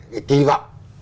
cái kỳ vọng